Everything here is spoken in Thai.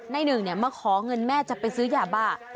หนึ่งมาขอเงินแม่จะไปซื้อยาบ้า